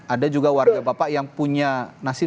ada juga warga bapak yang punya nasib